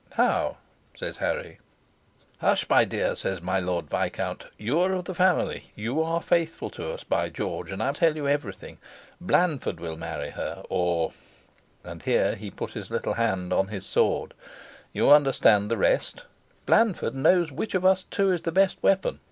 "How?" says Harry. "Hush, my dear!" says my Lord Viscount. "You are of the family you are faithful to us, by George, and I tell you everything. Blandford will marry her or" and here he put his little hand on his sword "you understand the rest. Blandford knows which of us two is the best weapon.